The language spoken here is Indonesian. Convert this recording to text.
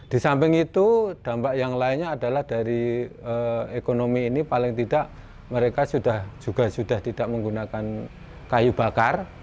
di samping itu dampak yang lainnya adalah dari ekonomi ini paling tidak mereka juga sudah tidak menggunakan kayu bakar